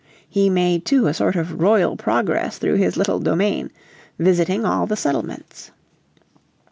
He made, too, a sort of royal progress through his little domain, visiting all the settlements.